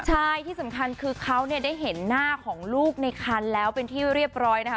ใช่ที่สำคัญคือเขาเนี่ยได้เห็นหน้าของลูกในคันแล้วเป็นที่เรียบร้อยนะคะ